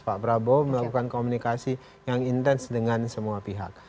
pak prabowo melakukan komunikasi yang intens dengan semua pihak